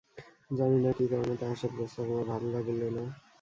জানি না, কী কারণে তাঁহার সে প্রস্তাব আমার ভালো লাগিল না।